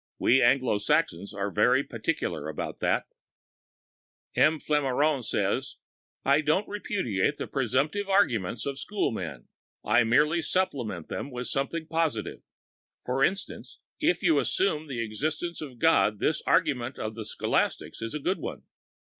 We Anglo Saxons are very particular about that. Your testimony is of that character. "I don't repudiate the presumptive arguments of school men. I merely supplement them with something positive. For instance, if you assumed the existence of God this argument of the scholastics is a good one.